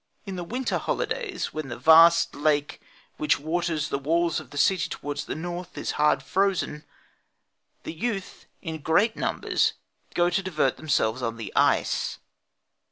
In the winter holidays when that vast lake which waters the walls of the City towards the north is hard frozen, the youth, in great numbers, go to divert themselves on the ice.